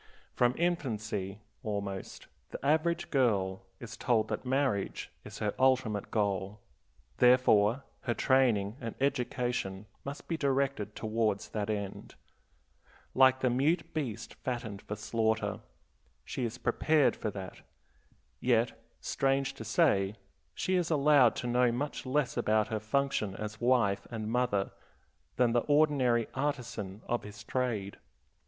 From infancy, almost, the average girl is told that marriage is her ultimate goal; therefore her training and education must be directed towards that end. Like the mute beast fattened for slaughter, she is prepared for that. Yet, strange to say, she is allowed to know much less about her function as wife and mother than the ordinary artisan of his trade.